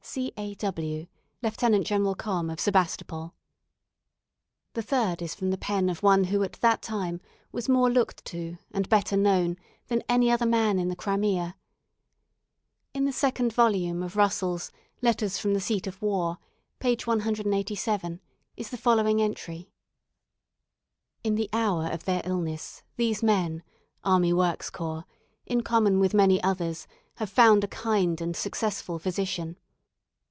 "C. A. W , "Lt. Gen. Comm. of Sebastopol." The third is from the pen of one who at that time was more looked to, and better known, than any other man in the Crimea. In the 2nd vol. of Russell's "Letters from the Seat of War," p. 187, is the following entry: "In the hour of their illness these men (Army Works Corps), in common with many others, have found a kind and successful physician.